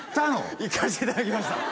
行かせていただきました